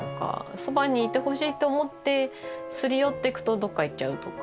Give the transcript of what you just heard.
そばにいてほしいと思って擦り寄ってくとどっか行っちゃうとか。